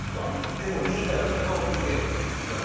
でもリーダーの意見なんで。